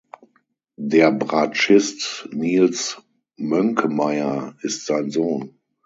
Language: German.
Der Bratschist Nils Mönkemeyer ist sein Sohn.